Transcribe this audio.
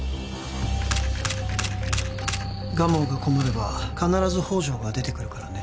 蒲生が困れば必ず宝条が出てくるからね